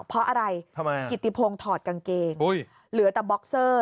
เพราะอะไรทำไมกิติพงศ์ถอดกางเกงเหลือแต่บ็อกเซอร์